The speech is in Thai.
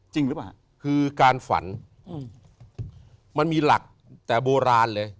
จริงหรือเปล่าคือการฝันมันมีหลักแต่โบราณเลย